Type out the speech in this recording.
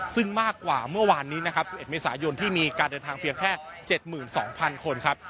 ซึ่งมากกว่าเมื่อวานนี้นะครับ๑๑เมษายนที่มีการเดินทางเพียงแค่๗๒๐๐คนครับ